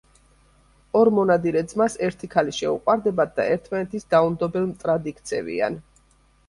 ორ მონადირე ძმას ერთი ქალი შეუყვარდებათ და ერთმანეთის დაუნდობელ მტრად იქცევიან.